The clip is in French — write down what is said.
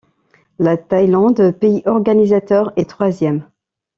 La Thaïlande, pays organisateur, est troisième.